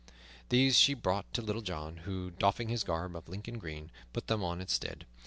These she brought to Little John, who, doffing his garb of Lincoln green, put them on in its stead.